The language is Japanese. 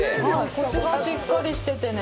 コシがしっかりしててね